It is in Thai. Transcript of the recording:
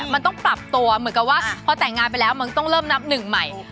มันต้องปรับตัวเหมือนกับว่าพอแต่งงานไปแล้วมันต้องเริ่มนับหนึ่งใหม่